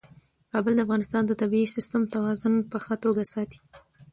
کابل د افغانستان د طبعي سیسټم توازن په ښه توګه ساتي.